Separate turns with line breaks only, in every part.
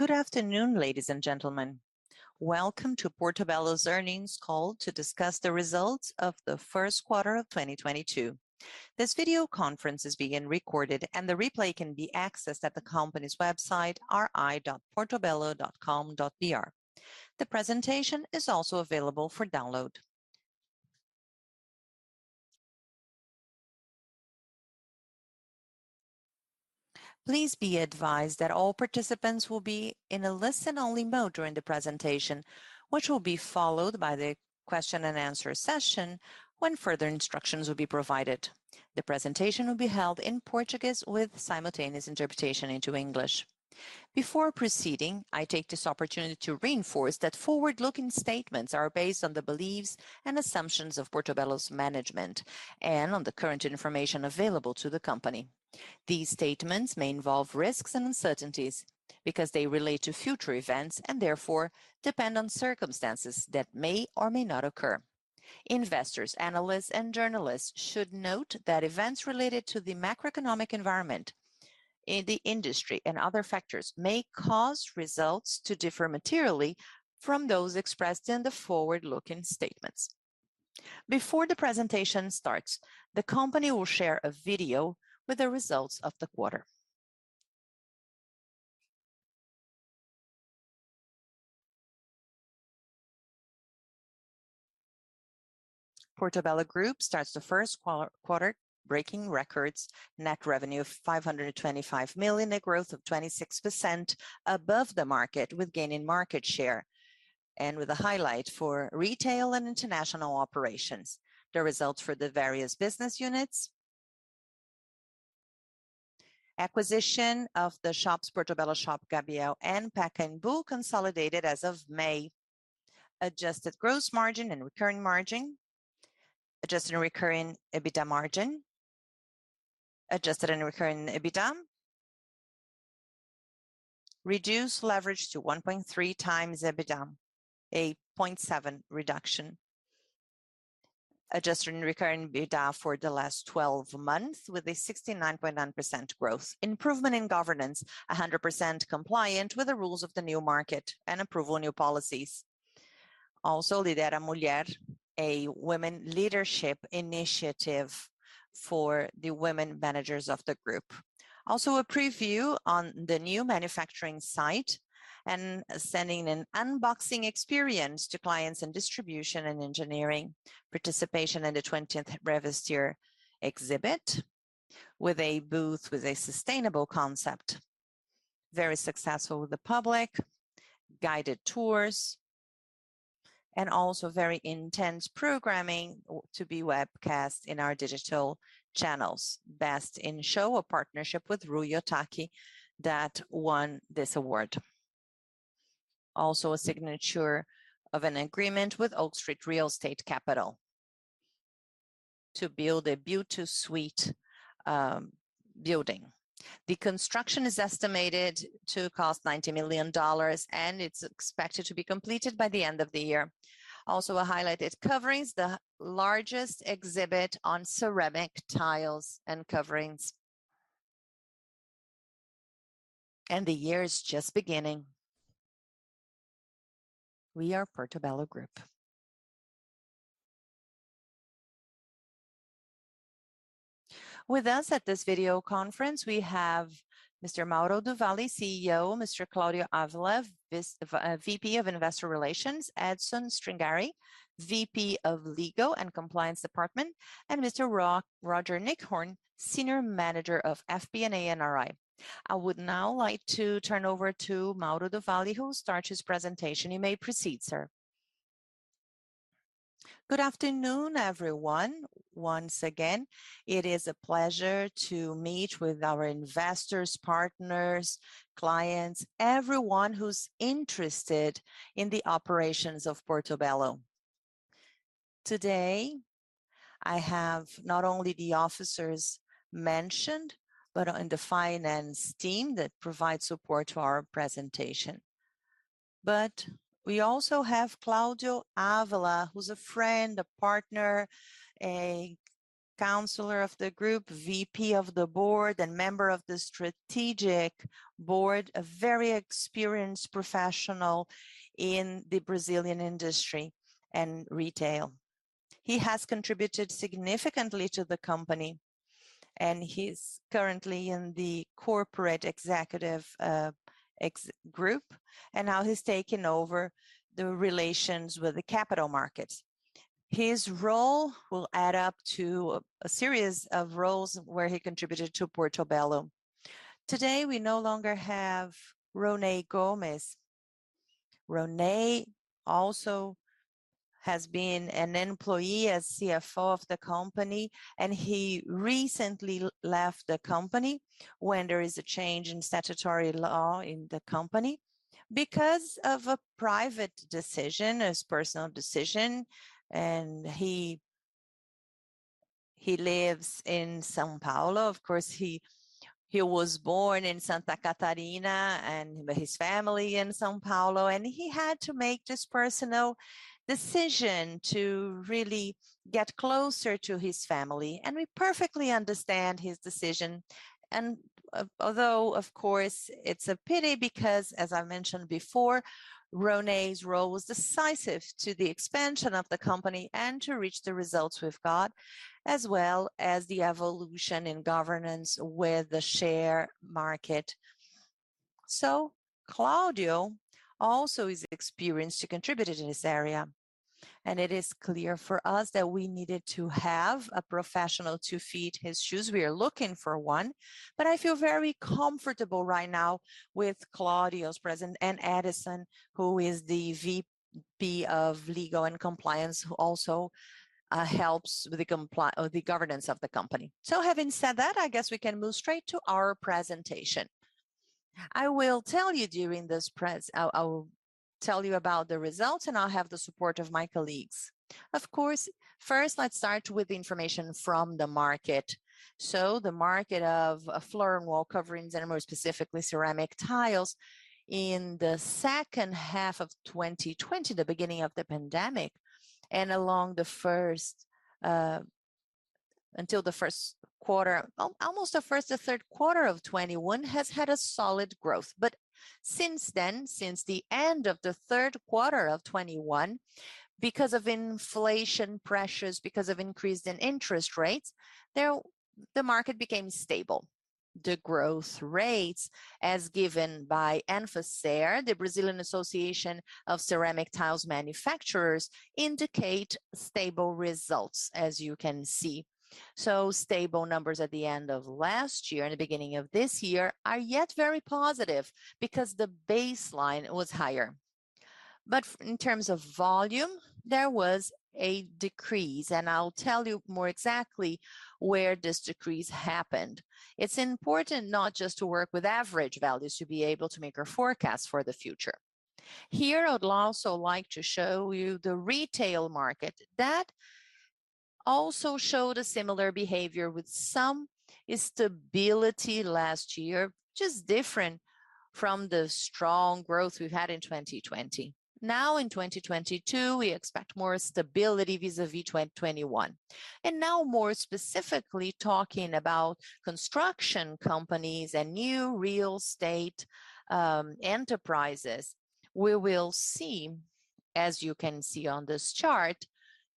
Good afternoon, ladies and gentlemen. Welcome to Portobello's earnings call to discuss the results of the first quarter of 2022. This video conference is being recorded and the replay can be accessed at the company's website, ri.portobello.com.br. The presentation is also available for download. Please be advised that all participants will be in a listen only mode during the presentation, which will be followed by the question and answer session when further instructions will be provided. The presentation will be held in Portuguese with simultaneous interpretation into English. Before proceeding, I take this opportunity to reinforce that forward-looking statements are based on the beliefs and assumptions of Portobello's management and on the current information available to the company. These statements may involve risks and uncertainties because they relate to future events and therefore depend on circumstances that may or may not occur. Investors, analysts, and journalists should note that events related to the macroeconomic environment in the industry and other factors may cause results to differ materially from those expressed in the forward-looking statements. Before the presentation starts, the company will share a video with the results of the quarter. Portobello Group starts the first quarter breaking records. Net revenue of 525 million, a growth of 26% above the market with gain in market share, and with a highlight for retail and international operations. The results for the various business units. Acquisition of the shops, Portobello Shop, Gabriel, and Pacaembu consolidated as of May. Adjusted gross margin and recurring margin. Adjusted recurring EBITDA margin. Adjusted and recurring EBITDA. Reduce leverage to 1.3x EBITDA, a 0.7 reduction. Adjusted and recurring EBITDA for the last twelve months with a 69.9% growth. Improvement in governance, 100% compliant with the rules of the new market and approval new policies. LiderA Mulher, a women leadership initiative for the women managers of the group. A preview on the new manufacturing site and sending an unboxing experience to clients in distribution and engineering. Participation in the 20th Expo Revestir with a booth with a sustainable concept. Very successful with the public, guided tours, and very intense programming to be webcast in our digital channels. Best in Show, a partnership with Ruy Ohtake that won this award. A signature of an agreement with Oak Street Real Estate Capital to build a build-to-suit building. The construction is estimated to cost $90 million, and it's expected to be completed by the end of the year. A highlight is Coverings, the largest exhibit on ceramic tiles and coverings. The year is just beginning. We are Portobello Group. With us at this video conference, we have Mr. Mauro do Valle, CEO, Mr. Claudio Avelar, VP of Investor Relations, Edson Stringari, VP of Legal and Compliance Department, and Mr. Roger Nickhorn, Senior Manager of FP&A and RI. I would now like to turn over to Mauro do Valle, who will start his presentation. You may proceed, sir.
Good afternoon, everyone. Once again, it is a pleasure to meet with our investors, partners, clients, everyone who's interested in the operations of Portobello. Today, I have not only the officers mentioned, but on the finance team that provides support to our presentation. We also have Claudio Avelar, who's a friend, a partner, a counselor of the group, VP of the board, and member of the strategic board, a very experienced professional in the Brazilian industry and retail. He has contributed significantly to the company, and he's currently in the corporate executive group, and now he's taken over the relations with the capital market. His role will add up to a series of roles where he contributed to Portobello. Today, we no longer have Ronei Gomes. Ronei also has been an employee as CFO of the company, and he recently left the company when there is a change in statutory law in the company because of a private decision, his personal decision, and he lives in São Paulo. Of course, he was born in Santa Catarina but his family in São Paulo, and he had to make this personal decision to really get closer to his family. We perfectly understand his decision, although, of course, it's a pity because as I mentioned before, Ronei's role was decisive to the expansion of the company and to reach the results we've got, as well as the evolution in governance with the share market. Cláudio also is experienced to contribute in this area, and it is clear for us that we needed to have a professional to fill his shoes. We are looking for one, but I feel very comfortable right now with Cláudio's presence and Edson, who is the VP of Legal and Compliance, who also helps with or the governance of the company. Having said that, I guess we can move straight to our presentation. I will tell you during this. I'll tell you about the results, and I'll have the support of my colleagues. Of course, first let's start with the information from the market. The market of floor and wall coverings, and more specifically ceramic tiles in the second half of 2020, the beginning of the pandemic, and along the first, until the first quarter. Well, almost the first to third quarter of 2021 has had a solid growth. Since then, since the end of the third quarter of 2021, because of inflation pressures, because of increase in interest rates, the market became stable. The growth rates as given by ANFACER, the Brazilian Association of Ceramic Tiles Manufacturers indicate stable results as you can see. Stable numbers at the end of last year and the beginning of this year are yet very positive because the baseline was higher. In terms of volume, there was a decrease, and I'll tell you more exactly where this decrease happened. It's important not just to work with average values to be able to make our forecast for the future. Here I would also like to show you the retail market. That also showed a similar behavior with some instability last year, just different from the strong growth we've had in 2020. Now in 2022 we expect more stability vis-à-vis 2021. Now more specifically talking about construction companies and new real estate, enterprises, we will see, as you can see on this chart,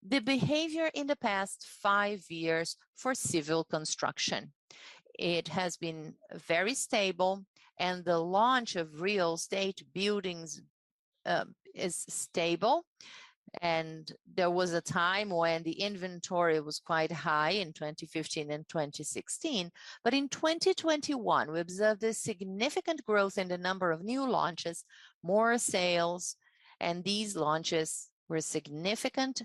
the behavior in the past five years for civil construction. It has been very stable, and the launch of real estate buildings, is stable, and there was a time when the inventory was quite high in 2015 and 2016. In 2021 we observed a significant growth in the number of new launches, more sales, and these launches were significant.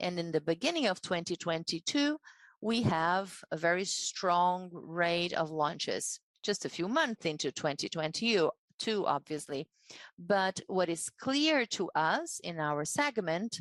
In the beginning of 2022 we have a very strong rate of launches just a few months into 2022 obviously. But what is clear to us in our segment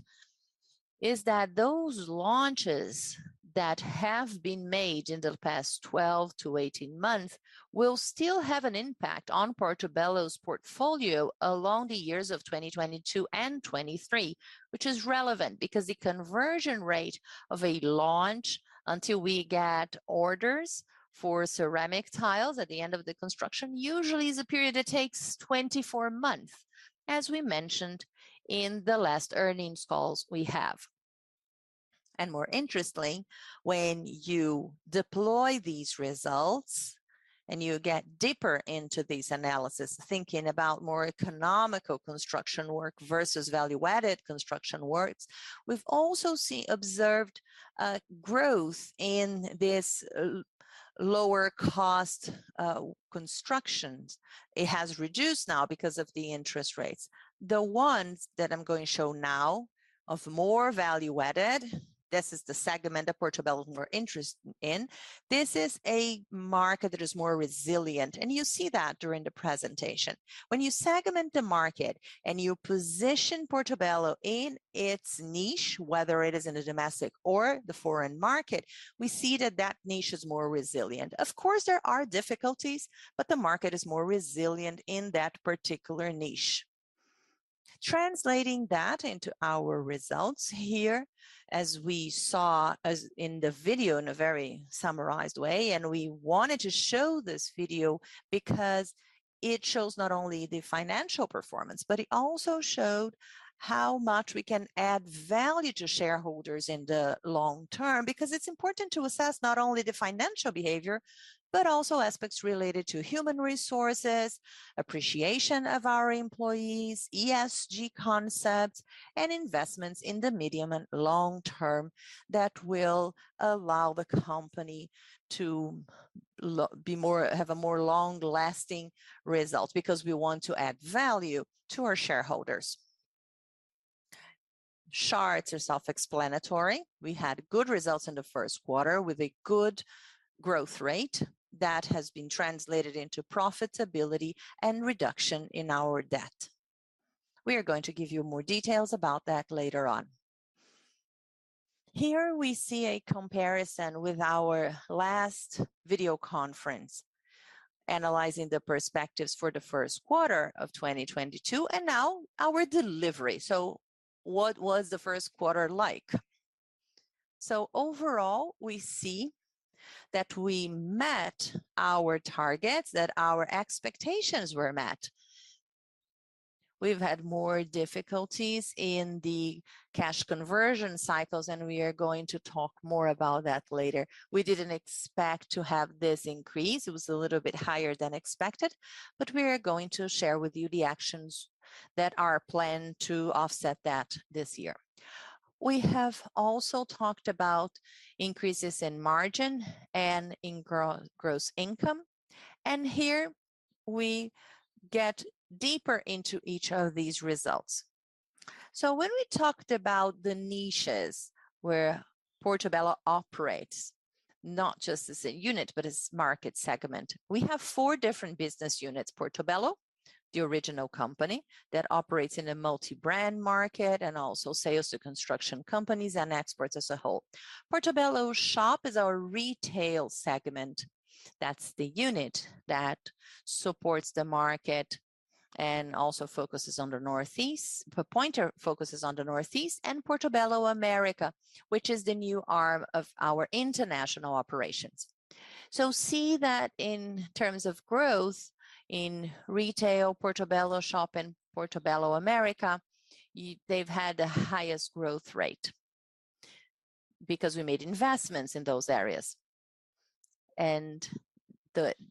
is that those launches that have been made in the past 12-18 months will still have an impact on Portobello's portfolio along the years of 2022 and 2023, which is relevant because the conversion rate of a launch until we get orders for ceramic tiles at the end of the construction usually is a period that takes 24 months, as we mentioned in the last earnings calls we have. More interestingly, when you deploy these results and you get deeper into these analysis, thinking about more economical construction work versus value-added construction works, we've also observed growth in this lower cost constructions. It has reduced now because of the interest rates. The ones that I'm going to show now of more value added, this is the segment that Portobello we're interested in. This is a market that is more resilient, and you'll see that during the presentation. When you segment the market and you position Portobello in its niche, whether it is in the domestic or the foreign market, we see that that niche is more resilient. Of course, there are difficulties, but the market is more resilient in that particular niche. Translating that into our results here as we saw in the video in a very summarized way, and we wanted to show this video because it shows not only the financial performance, but it also showed how much we can add value to shareholders in the long term. Because it's important to assess not only the financial behavior, but also aspects related to human resources, appreciation of our employees, ESG concepts, and investments in the medium and long term that will allow the company to have a more long-lasting results because we want to add value to our shareholders. Charts are self-explanatory. We had good results in the first quarter with a good growth rate that has been translated into profitability and reduction in our debt. We are going to give you more details about that later on. Here we see a comparison with our last video conference analyzing the perspectives for the first quarter of 2022, and now our delivery. What was the first quarter like? Overall, we see that we met our targets, that our expectations were met. We've had more difficulties in the Cash Conversion Cycles, and we are going to talk more about that later. We didn't expect to have this increase. It was a little bit higher than expected, but we are going to share with you the actions that are planned to offset that this year. We have also talked about increases in margin and in gross income, and here we get deeper into each of these results. When we talked about the niches where Portobello operates, not just as a unit, but as market segment. We have four different business units, Portobello, the original company that operates in a multi-brand market and also sales to construction companies and exports as a whole. Portobello Shop is our retail segment. That's the unit that supports the market and also focuses on the Northeast. Pointer focuses on the Northeast. Portobello America, which is the new arm of our international operations. See that in terms of growth in retail, Portobello Shop and Portobello America, they've had the highest growth rate because we made investments in those areas, and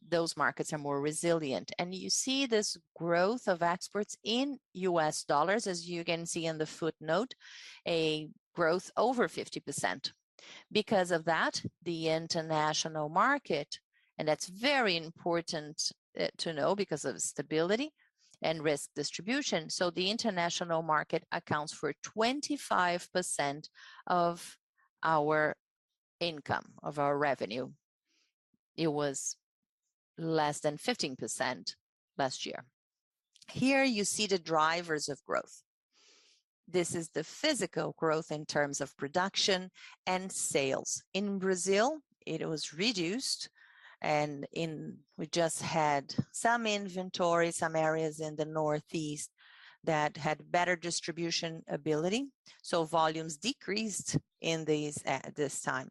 those markets are more resilient. You see this growth of exports in US dollars, as you can see in the footnote, a growth over 50%. Because of that, the international market, and that's very important, to know because of stability and risk distribution. The international market accounts for 25% of our income, of our revenue. It was less than 15% last year. Here you see the drivers of growth. This is the physical growth in terms of production and sales. In Brazil, it was reduced, and we just had some inventory, some areas in the Northeast that had better distribution ability, so volumes decreased at this time.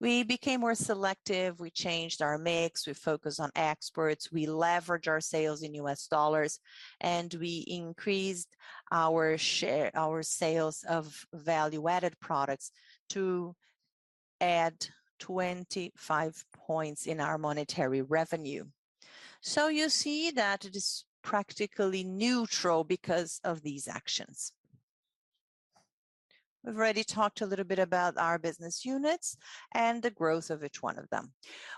We became more selective, we changed our mix, we focused on exports, we leveraged our sales in US dollars, and we increased our sales of value-added products to add 25 points in our monetary revenue. You see that it is practically neutral because of these actions. We've already talked a little bit about our business units and the growth of each one of them.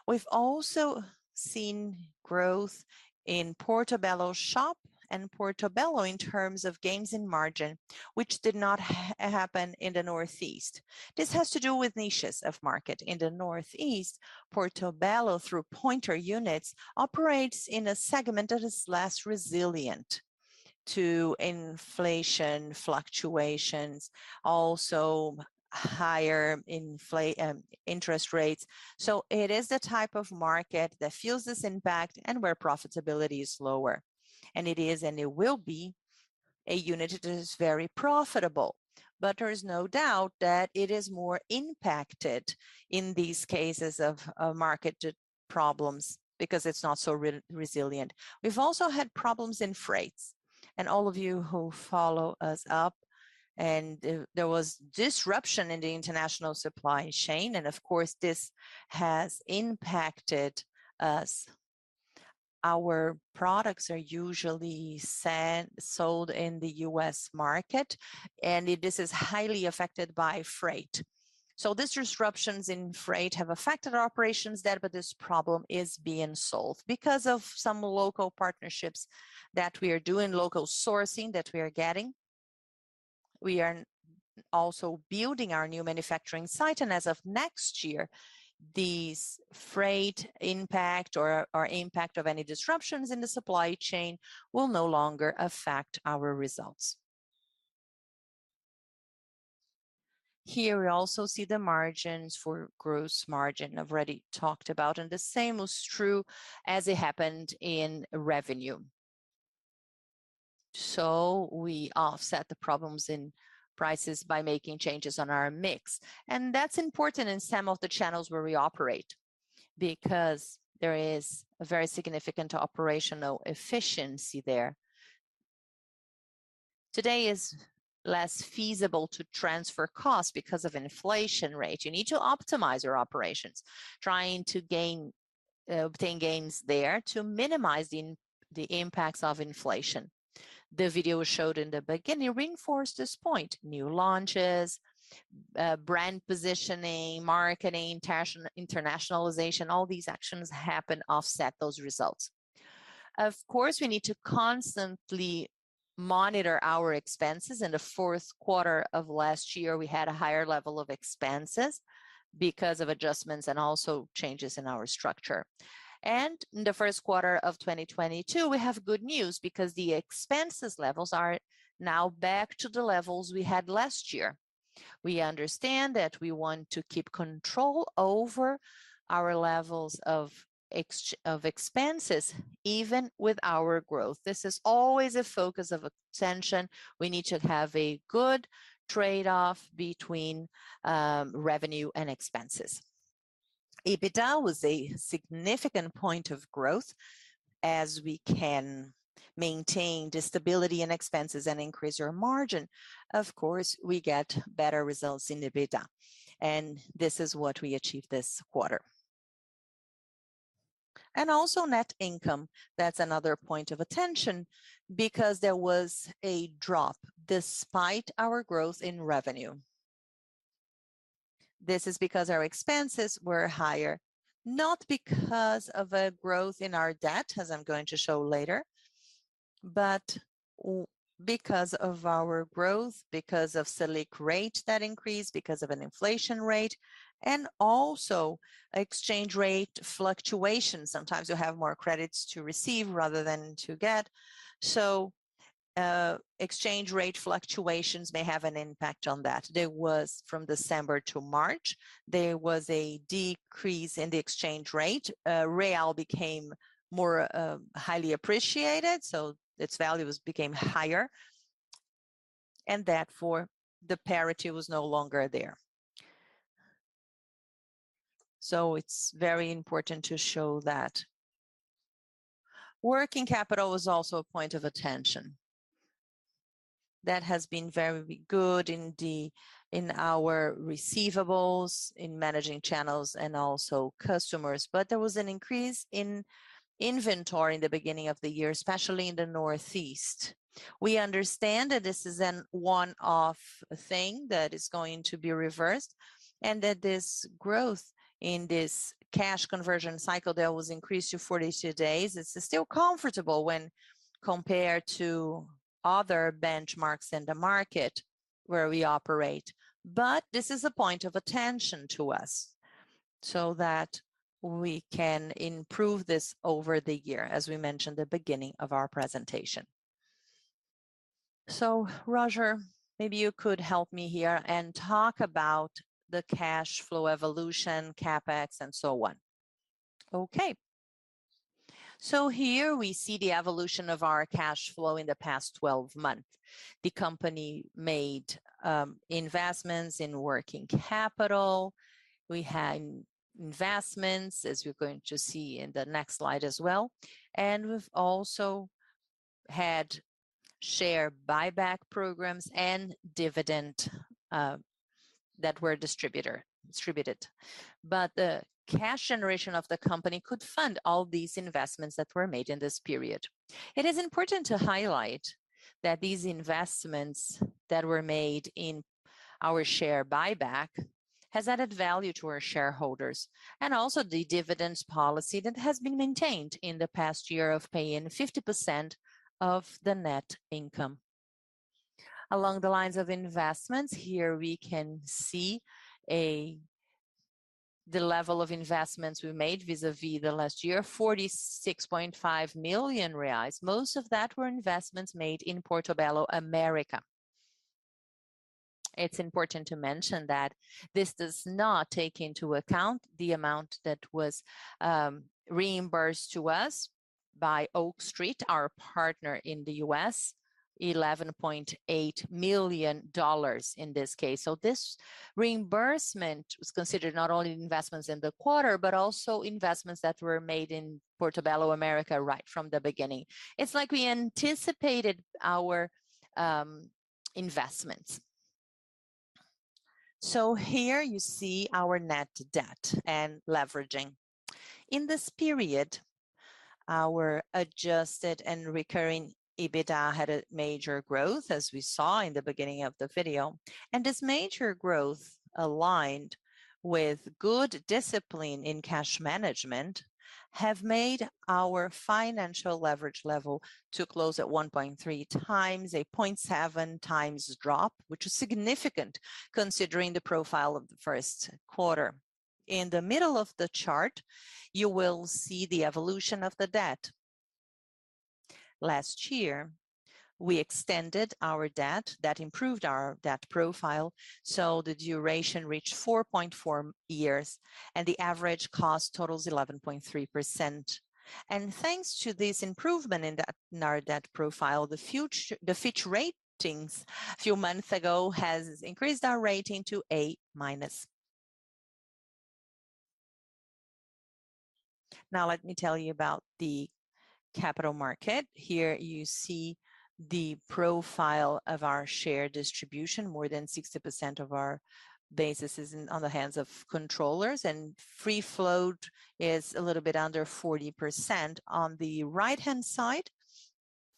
We've also seen growth in Portobello Shop and Portobello in terms of gains in margin, which did not happen in the Northeast. This has to do with niches of market. In the Northeast, Portobello, through Pointer units, operates in a segment that is less resilient to inflation fluctuations, also higher interest rates. It is the type of market that feels this impact and where profitability is lower. It is, and it will be a unit that is very profitable, but there is no doubt that it is more impacted in these cases of market problems because it's not so resilient. We've also had problems in freights. All of you who follow us up, and there was disruption in the international supply chain, and of course, this has impacted us. Our products are usually sold in the U.S. market, and this is highly affected by freight. These disruptions in freight have affected our operations there, but this problem is being solved because of some local partnerships that we are doing, local sourcing that we are getting. We are also building our new manufacturing site, and as of next year, these freight impact or impact of any disruptions in the supply chain will no longer affect our results. Here we also see the margins for gross margin I've already talked about, and the same was true as it happened in revenue. We offset the problems in prices by making changes on our mix, and that's important in some of the channels where we operate because there is a very significant operational efficiency there. Today it is less feasible to transfer costs because of inflation rate. You need to optimize your operations, trying to obtain gains there to minimize the impacts of inflation. The video showed in the beginning reinforced this point. New launches, brand positioning, marketing, fashion, internationalization, all these actions happen to offset those results. Of course, we need to constantly monitor our expenses. In the fourth quarter of last year, we had a higher level of expenses because of adjustments and also changes in our structure. In the first quarter of 2022, we have good news because the expenses levels are now back to the levels we had last year. We understand that we want to keep control over our levels of expenses even with our growth. This is always a focus of attention. We need to have a good trade-off between revenue and expenses. EBITDA was a significant point of growth as we can maintain the stability and expenses and increase our margin. Of course, we get better results in EBITDA, and this is what we achieved this quarter. Also net income, that's another point of attention because there was a drop despite our growth in revenue. This is because our expenses were higher, not because of a growth in our debt, as I'm going to show later, but because of our growth, because of Selic rate that increased, because of an inflation rate, and also exchange rate fluctuations. Sometimes you have more credits to receive rather than to get. Exchange rate fluctuations may have an impact on that. From December to March, there was a decrease in the exchange rate. Real became more highly appreciated, so its value became higher and therefore the parity was no longer there. It's very important to show that. Working capital was also a point of attention. That has been very good in our receivables, in managing channels and also customers, but there was an increase in inventory in the beginning of the year, especially in the Northeast. We understand that this is a one-off thing that is going to be reversed, and that this growth in this Cash Conversion Cycle that was increased to 42 days, this is still comfortable when compared to other benchmarks in the market where we operate. This is a point of attention to us, so that we can improve this over the year, as we mentioned at the beginning of our presentation. Roger, maybe you could help me here and talk about the cash flow evolution, CapEx and so on.
Okay. Here we see the evolution of our cash flow in the past 12 months. The company made investments in working capital. We had investments, as we're going to see in the next slide as well, and we've also had share buyback programs and dividend that were distributed. The cash generation of the company could fund all these investments that were made in this period. It is important to highlight that these investments that were made in our share buyback has added value to our shareholders, and also the dividends policy that has been maintained in the past year of paying 50% of the net income. Along the lines of investments, here we can see the level of investments we made vis-a-vis the last year, 46.5 million reais. Most of that were investments made in Portobello America. It's important to mention that this does not take into account the amount that was reimbursed to us by Oak Street, our partner in the U.S., $11.8 million in this case. This reimbursement was considered not only investments in the quarter, but also investments that were made in Portobello America right from the beginning. It's like we anticipated our investments. Here you see our net debt and leverage. In this period, our adjusted and recurring EBITDA had a major growth, as we saw in the beginning of the video, and this major growth aligned with good discipline in cash management have made our financial leverage level to close at 1.3 times, a 0.7 times drop, which is significant considering the profile of the first quarter. In the middle of the chart, you will see the evolution of the debt. Last year, we extended our debt. That improved our debt profile, so the duration reached 4.4 years, and the average cost totals 11.3%. Thanks to this improvement in our debt profile, the Fitch Ratings a few months ago has increased our rating to A-. Now let me tell you about the capital market. Here you see the profile of our share distribution. More than 60% of our basis is on the hands of controllers, and free float is a little bit under 40%. On the right-hand side,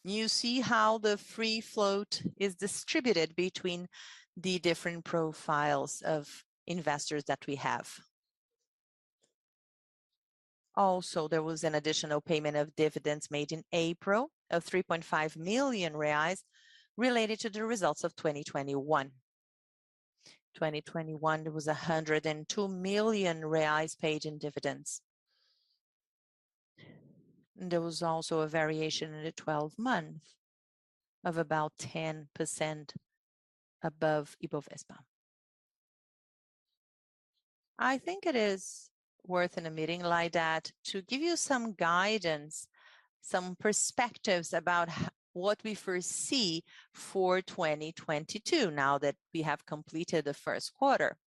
you see how the free float is distributed between the different profiles of investors that we have. Also, there was an additional payment of dividends made in April of 3.5 million reais related to the results of 2021. 2021, it was 102 million reais paid in dividends. There was also a variation in the 12 months of about 10% above Ibovespa. I think it is worth in a meeting like that to give you some guidance, some perspectives about what we foresee for 2022 now that we have completed the first quarter.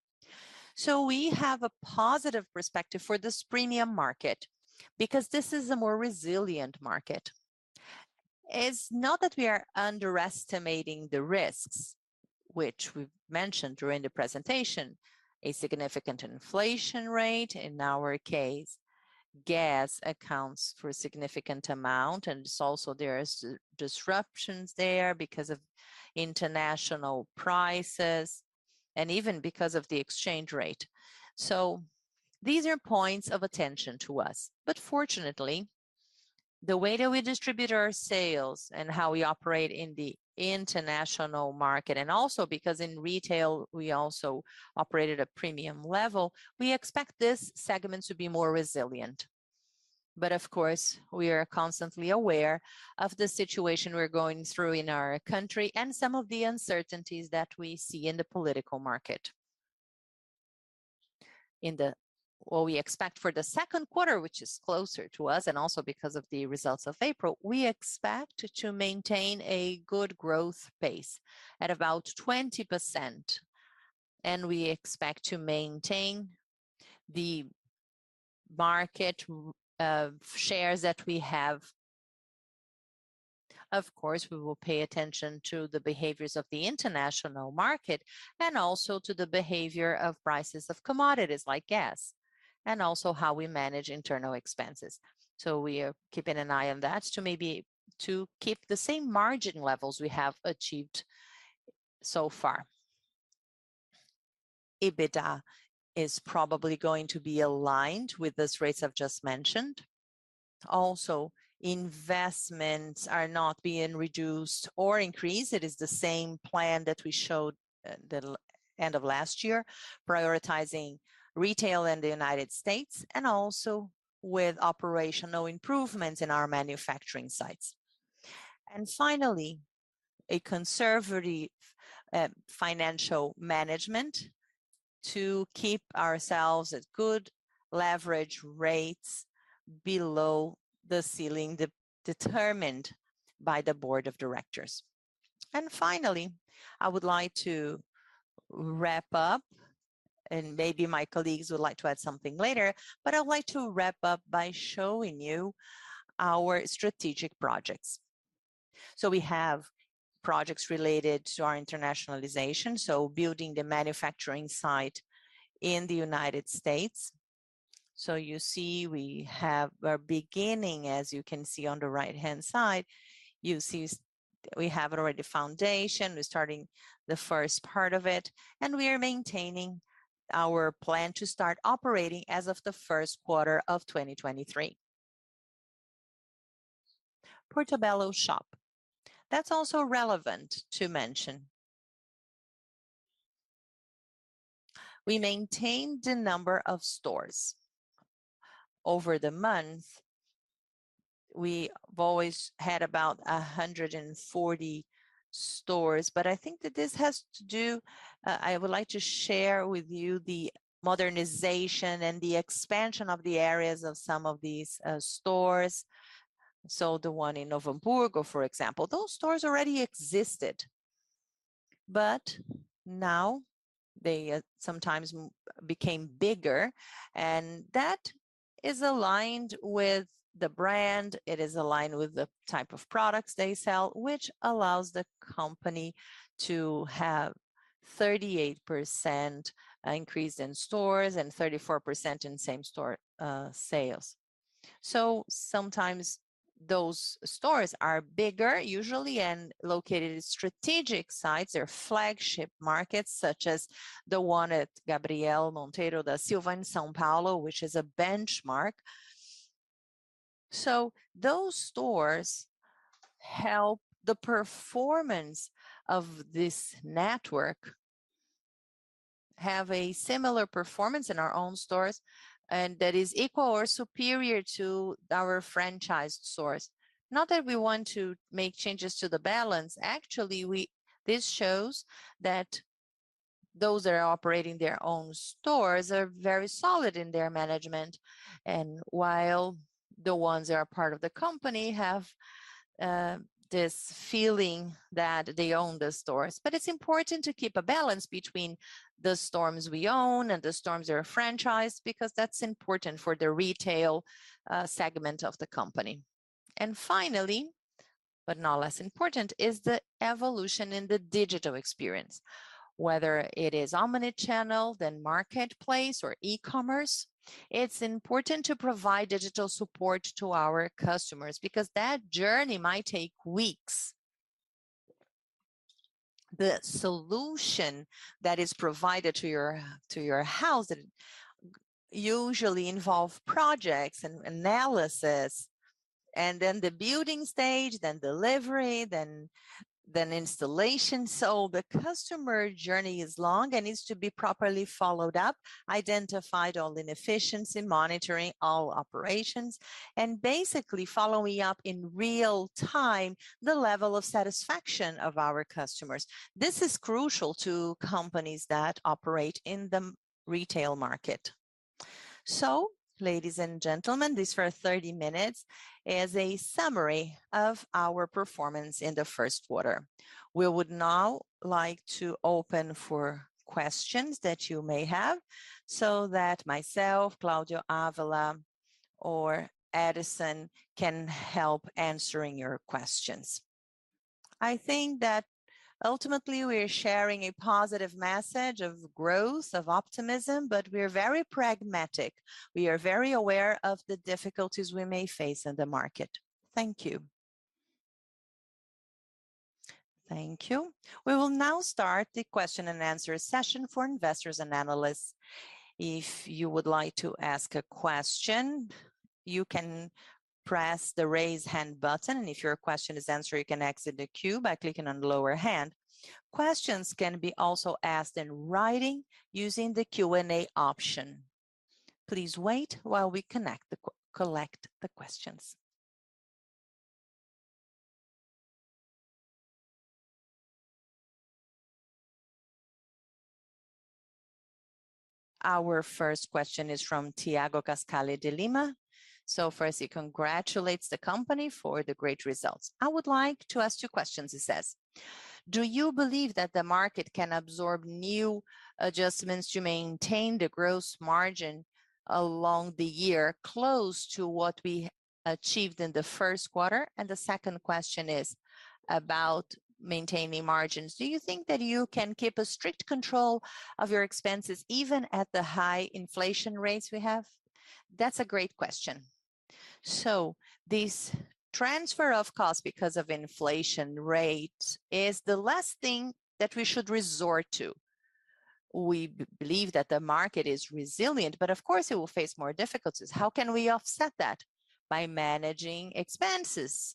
We have a positive perspective for this premium market because this is a more resilient market. It is not that we are underestimating the risks, which we have mentioned during the presentation, a significant inflation rate. In our case, gas accounts for a significant amount, and there are also disruptions there because of international prices and even because of the exchange rate. These are points of attention to us. Fortunately, the way that we distribute our sales and how we operate in the international market, and also because in retail we also operate at a premium level, we expect this segment to be more resilient. Of course, we are constantly aware of the situation we're going through in our country and some of the uncertainties that we see in the political market. What we expect for the second quarter, which is closer to us and also because of the results of April, we expect to maintain a good growth pace at about 20%, and we expect to maintain the market shares that we have. Of course, we will pay attention to the behaviors of the international market and also to the behavior of prices of commodities like gas, and also how we manage internal expenses. We are keeping an eye on that to maybe, to keep the same margin levels we have achieved so far. EBITDA is probably going to be aligned with those rates I've just mentioned. Investments are not being reduced or increased. It is the same plan that we showed at the end of last year, prioritizing retail in the United States and also with operational improvements in our manufacturing sites. A conservative financial management to keep ourselves at good leverage rates below the ceiling determined by the board of directors. I would like to wrap up, and maybe my colleagues would like to add something later, but I would like to wrap up by showing you our strategic projects. We have projects related to our internationalization, so building the manufacturing site in the United States. You see we're beginning, as you can see on the right-hand side, you see we have already foundation. We're starting the first part of it, and we are maintaining our plan to start operating as of the first quarter of 2023. Portobello Shop. That's also relevant to mention. We maintained the number of stores. Over the month, we have always had about 140 stores. I think that this has to do. I would like to share with you the modernization and the expansion of the areas of some of these stores. The one in Novo Hamburgo, for example, those stores already existed, but now they sometimes became bigger, and that is aligned with the brand. It is aligned with the type of products they sell, which allows the company to have 38% increase in stores and 34% in same-store sales. Sometimes those stores are bigger usually and located in strategic sites or flagship markets, such as the one at Gabriel Monteiro da Silva in São Paulo, which is a benchmark. Those stores help the performance of this network have a similar performance in our own stores and that is equal or superior to our franchised stores. Not that we want to make changes to the balance. Actually, this shows that those that are operating their own stores are very solid in their management. While the ones that are part of the company have this feeling that they own the stores. It's important to keep a balance between the stores we own and the stores that are franchised because that's important for the retail segment of the company. Finally, but not less important, is the evolution in the digital experience. Whether it is omnichannel, then marketplace or e-commerce, it's important to provide digital support to our customers because that journey might take weeks. The solution that is provided to your house, it usually involve projects and analysis and then the building stage, then delivery, then installation. The customer journey is long and needs to be properly followed up, identified all inefficiency, monitoring all operations, and basically following up in real time the level of satisfaction of our customers. This is crucial to companies that operate in the retail market. Ladies and gentlemen, these first 30 minutes is a summary of our performance in the first quarter. We would now like to open for questions that you may have, so that myself, Cláudio Ávila, or Edson can help answering your questions. I think that ultimately we are sharing a positive message of growth, of optimism, but we are very pragmatic. We are very aware of the difficulties we may face in the market. Thank you.
Thank you. We will now start the question and answer session for investors and analysts. If you would like to ask a question, you can press the Raise Hand button, and if your question is answered, you can exit the queue by clicking on the lower hand. Questions can be also asked in writing using the Q&A option. Please wait while we collect the questions. Our first question is from Thiago Lofiego. First he congratulates the company for the great results. "I would like to ask two questions," he says. "Do you believe that the market can absorb new adjustments to maintain the gross margin along the year close to what we achieved in the first quarter?" And the second question is about maintaining margins, "Do you think that you can keep a strict control of your expenses even at the high inflation rates we have?"
That's a great question. This transfer of cost because of inflation rate is the last thing that we should resort to. We believe that the market is resilient, but of course it will face more difficulties. How can we offset that? By managing expenses.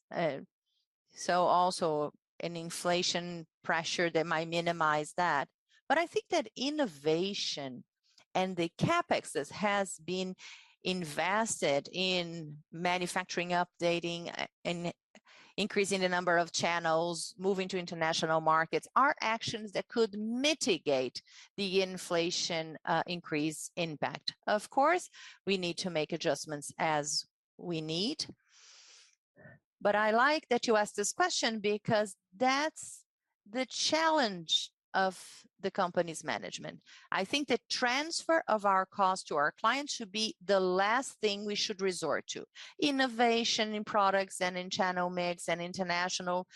Also an inflation pressure that might minimize that. I think that innovation and the CapExes has been invested in manufacturing, updating, and increasing the number of channels, moving to international markets, are actions that could mitigate the inflation increase impact. Of course, we need to make adjustments as we need. I like that you asked this question because that's the challenge of the company's management. I think the transfer of our cost to our clients should be the last thing we should resort to. Innovation in products and in channel mix and international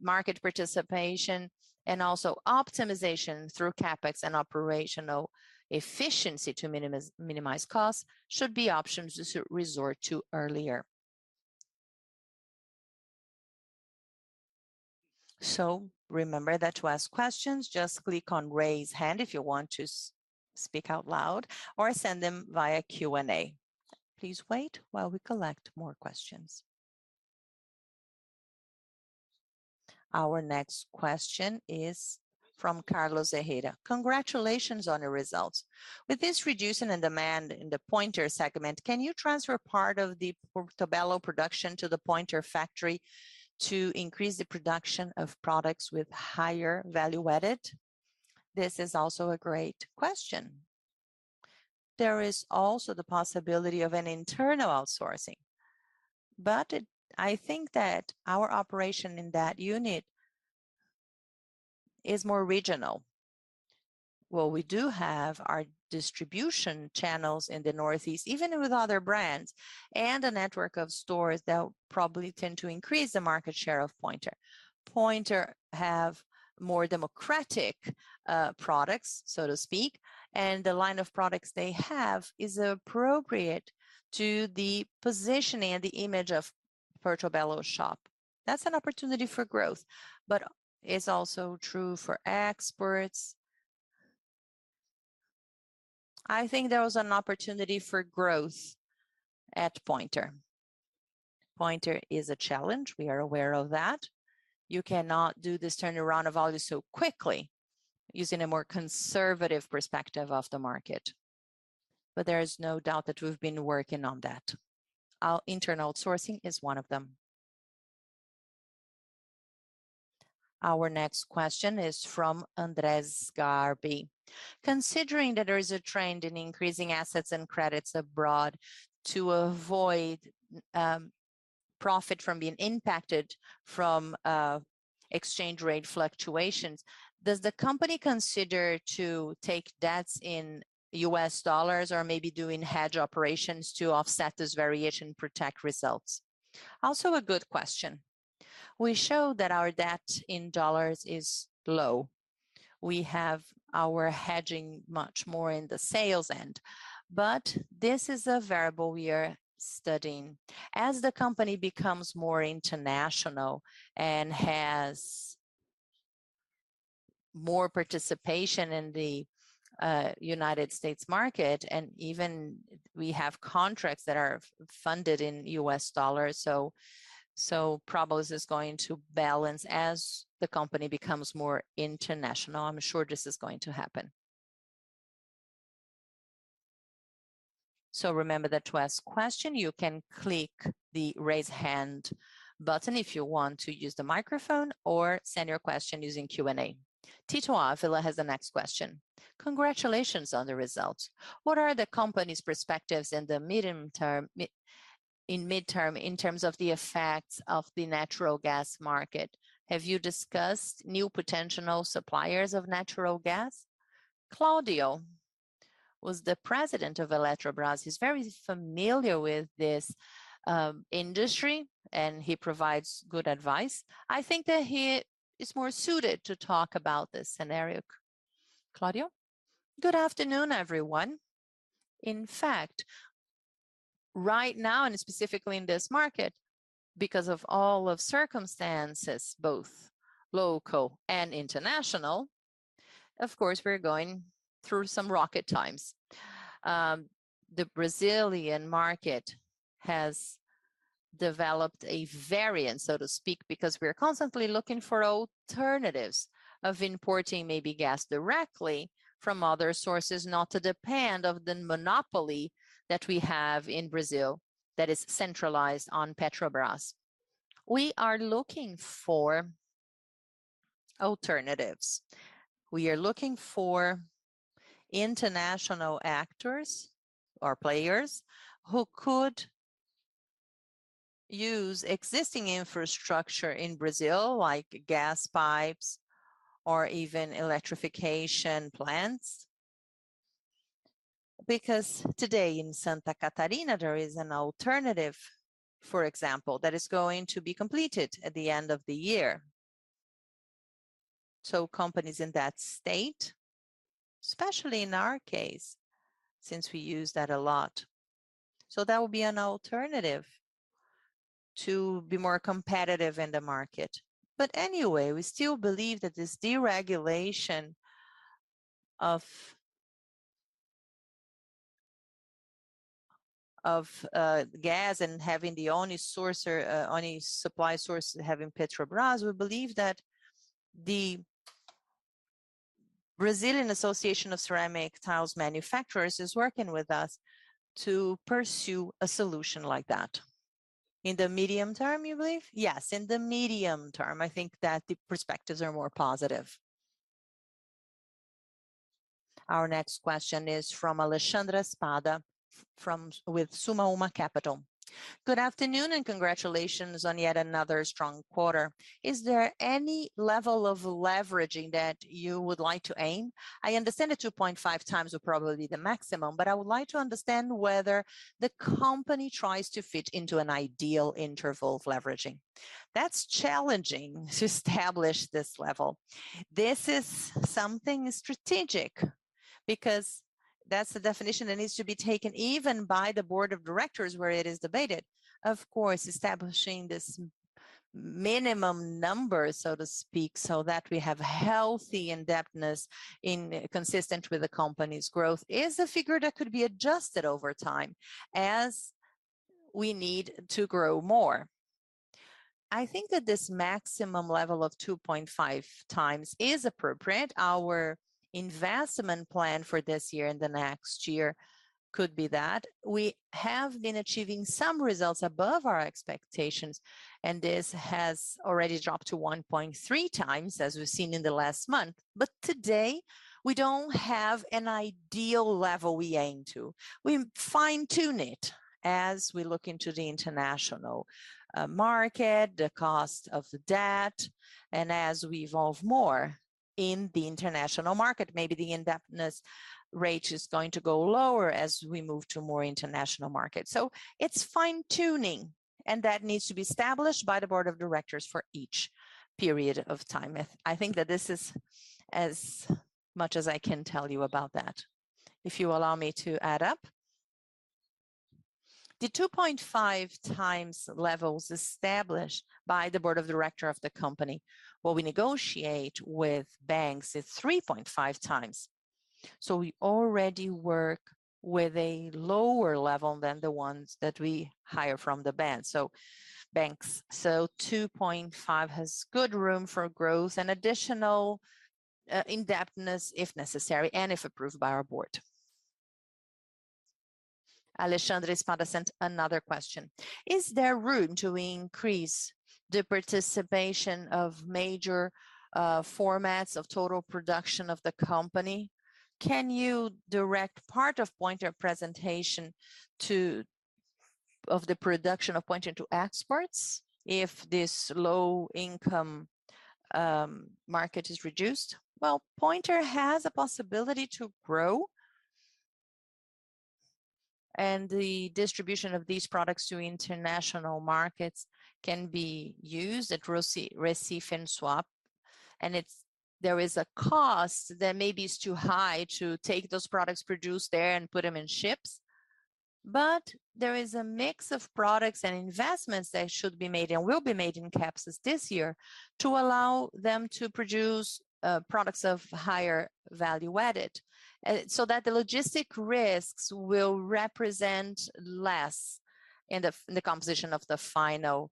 market participation and also optimization through CapEx and operational efficiency to minimize costs should be options to resort to earlier.
Remember that to ask questions, just click on Raise Hand if you want to speak out loud or send them via Q&A. Please wait while we collect more questions. Our next question is from Carlos de Andrade. Congratulations on your results. With this reduction in demand in the Pointer segment, can you transfer part of the Portobello production to the Pointer factory to increase the production of products with higher value added?"
This is also a great question. There is also the possibility of an internal outsourcing. But I think that our operation in that unit is more regional. Well, we do have our distribution channels in the Northeast, even with other brands, and a network of stores that will probably tend to increase the market share of Pointer. Pointer have more democratic, products, so to speak, and the line of products they have is appropriate to the positioning and the image of Portobello Shop. That's an opportunity for growth, but it's also true for exports. I think there was an opportunity for growth at Pointer. Pointer is a challenge. We are aware of that. You cannot do this turnaround of value so quickly using a more conservative perspective of the market. There is no doubt that we've been working on that. Our internal outsourcing is one of them.
Our next question is from Andre Hachem. "Considering that there is a trend in increasing assets and credits abroad to avoid profit from being impacted from exchange rate fluctuations, does the company consider to take debts in US dollars or maybe doing hedge operations to offset this variation, protect results?"
Also a good question. We show that our debt in dollars is low. We have our hedging much more in the sales end. This is a variable we are studying. As the company becomes more international and has more participation in the United States market, and even we have contracts that are funded in US dollars. Probably this is going to balance as the company becomes more international. I'm sure this is going to happen.
Remember that to ask question, you can click the Raise Hand button if you want to use the microphone or send your question using Q&A. Tito Avila has the next question. Congratulations on the results. What are the company's perspectives in the medium term in midterm in terms of the effects of the natural gas market? Have you discussed new potential suppliers of natural gas?
Cláudio Ávila was the president of Eletrobras. He's very familiar with this industry, and he provides good advice. I think that he is more suited to talk about this scenario. Cláudio?
Good afternoon, everyone. In fact, right now, and specifically in this market, because of all of circumstances, both local and international, of course, we're going through some rocky times. The Brazilian market has developed a variant, so to speak, because we're constantly looking for alternatives of importing maybe gas directly from other sources, not to depend of the monopoly that we have in Brazil that is centralized on Petrobras. We are looking for alternatives. We are looking for international actors or players who could use existing infrastructure in Brazil, like gas pipes or even electrification plants. Because today in Santa Catarina, there is an alternative, for example, that is going to be completed at the end of the year. Companies in that state, especially in our case, since we use that a lot. That would be an alternative to be more competitive in the market. We still believe that this deregulation of gas and having the only supply source having Petrobras, we believe that the Brazilian Association of Ceramic Tiles Manufacturers is working with us to pursue a solution like that. In the medium term, you believe? Yes, in the medium term, I think that the perspectives are more positive.
Our next question is from Alexandre Spada with Sumauma Capital.
Good afternoon and congratulations on yet another strong quarter. Is there any level of leveraging that you would like to aim? I understand that 2.5 times would probably be the maximum, but I would like to understand whether the company tries to fit into an ideal interval of leveraging. That's challenging to establish this level.
This is something strategic because that's the definition that needs to be taken even by the board of directors where it is debated. Of course, establishing this minimum number, so to speak, so that we have healthy indebtedness consistent with the company's growth is a figure that could be adjusted over time as we need to grow more. I think that this maximum level of 2.5 times is appropriate. Our investment plan for this year and the next year could be that. We have been achieving some results above our expectations, and this has already dropped to 1.3 times, as we've seen in the last month. Today, we don't have an ideal level we aim to. We fine-tune it as we look into the international market, the cost of the debt, and as we evolve more in the international market. Maybe the indebtedness rate is going to go lower as we move to a more international market. It's fine-tuning, and that needs to be established by the board of directors for each period of time. I think that this is as much as I can tell you about that. If you allow me to add up. The 2.5 times level is established by the board of director of the company. What we negotiate with banks is 3.5 times. We already work with a lower level than the ones that we hire from the bank, so banks. 2.5 has good room for growth and additional indebtedness if necessary and if approved by our board. Alexandre sent another question: Is there room to increase the participation of major formats of total production of the company? Can you direct part of the Pointer production to exports if this low-income market is reduced? Well, Pointer has a possibility to grow. The distribution of these products to international markets can be used at Recife in swap. There is a cost that maybe is too high to take those products produced there and put them on ships. There is a mix of products and investments that should be made and will be made in CapEx this year to allow them to produce products of higher value added. So that the logistic risks will represent less in the composition of the final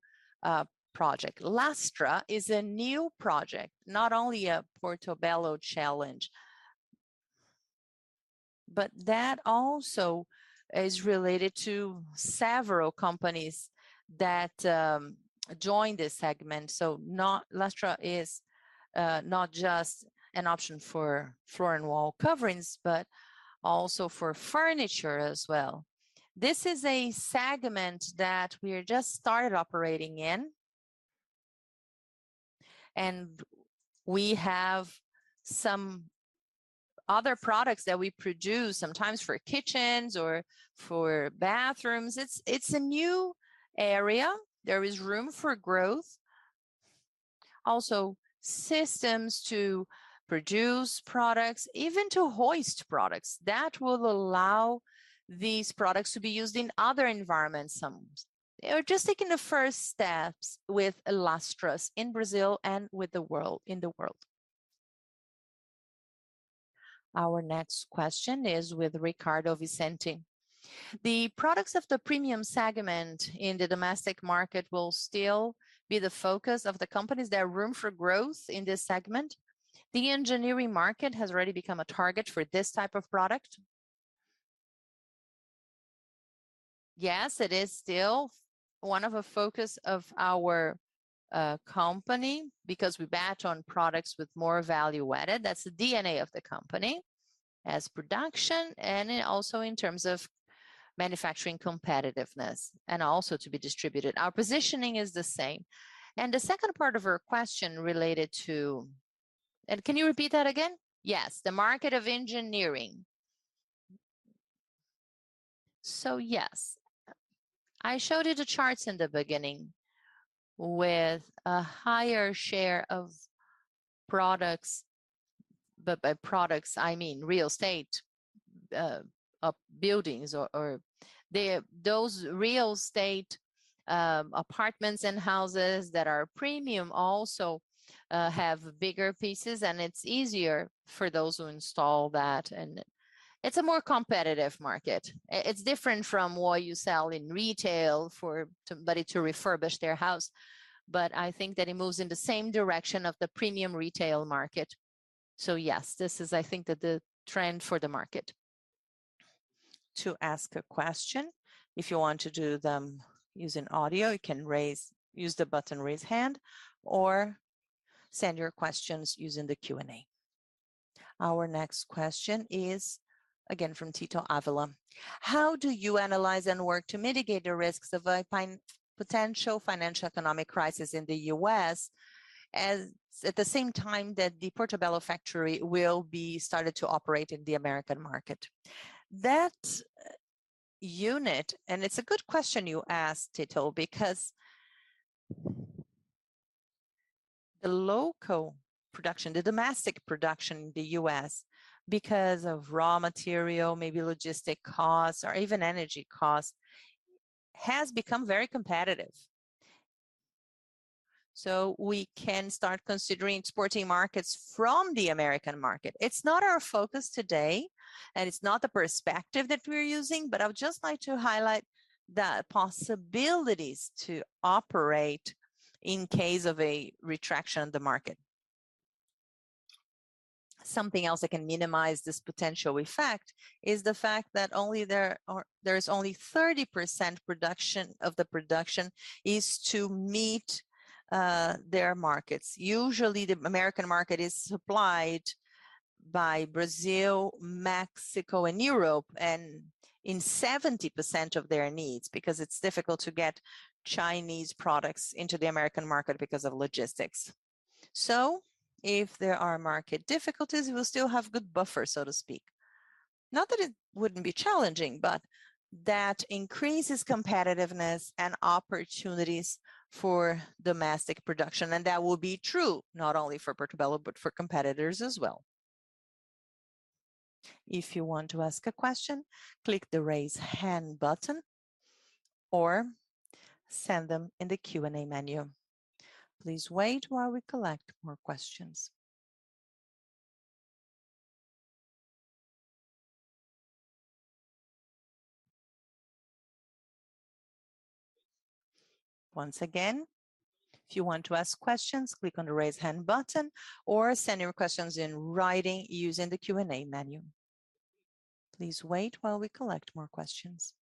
project. Lastras is a new project, not only a Portobello challenge, but that also is related to several companies that joined this segment. Lastras is not just an option for floor and wall coverings, but also for furniture as well. This is a segment that we are just started operating in, and we have some other products that we produce sometimes for kitchens or for bathrooms. It's a new area. There is room for growth. Also systems to produce products, even to hoist products that will allow these products to be used in other environments sometimes. We are just taking the first steps with Lastras in Brazil and in the world. Our next question is with Ricardo Vicente. The products of the premium segment in the domestic market will still be the focus of the companies. Is there room for growth in this segment? The engineering market has already become a target for this type of product. Yes, it is still one of the focus of our company because we bet on products with more value added. That's the DNA of the company and production, and also in terms of manufacturing competitiveness, and also to be distributed. Our positioning is the same. The second part of your question related to... Can you repeat that again? Yes, the market of engineering. Yes. I showed you the charts in the beginning with a higher share of products. By products, I mean real estate buildings or those real estate apartments and houses that are premium also have bigger pieces, and it's easier for those who install that, and it's a more competitive market. It's different from what you sell in retail for somebody to refurbish their house. I think that it moves in the same direction of the premium retail market. Yes, this is, I think, the trend for the market.
To ask a question, if you want to do them using audio, you can use the button Raise Hand or send your questions using the Q&A. Our next question is again from Tito Avila. How do you analyze and work to mitigate the risks of a potential financial economic crisis in the U.S. at the same time that the Portobello factory will be started to operate in the American market?
It's a good question you ask, Tito, because the local production, the domestic production in the U.S. because of raw material, maybe logistic costs or even energy costs, has become very competitive. We can start considering exporting markets from the American market. It's not our focus today, and it's not the perspective that we're using, but I would just like to highlight the possibilities to operate in case of a retraction of the market. Something else that can minimize this potential effect is the fact that there is only 30% of the production to meet their markets. Usually, the American market is supplied by Brazil, Mexico, and Europe, and in 70% of their needs because it's difficult to get Chinese products into the American market because of logistics. If there are market difficulties, we'll still have good buffer, so to speak. Not that it wouldn't be challenging, but that increases competitiveness and opportunities for domestic production. That will be true not only for Portobello but for competitors as well.
If you want to ask a question, click the Raise Hand button or send them in the Q&A menu. Please wait while we collect more questions. Once again, if you want to ask questions, click on the Raise Hand button or send your questions in writing using the Q&A menu. Please wait while we collect more questions.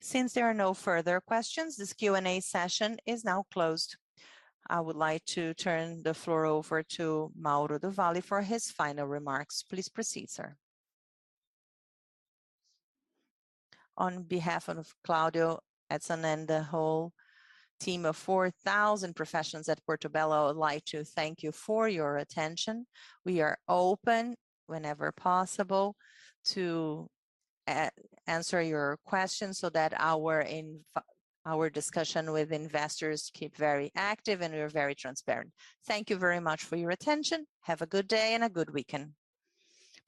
Since there are no further questions, this Q&A session is now closed. I would like to turn the floor over to Mauro do Valle for his final remarks. Please proceed, sir.
On behalf of Cláudio, Edson, and the whole team of 4,000 professionals at Portobello, I would like to thank you for your attention. We are open whenever possible to answer your questions so that our discussion with investors keep very active, and we are very transparent. Thank you very much for your attention. Have a good day and a good weekend.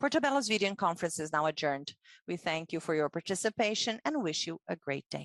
Portobello's video and conference is now adjourned. We thank you for your participation and wish you a great day.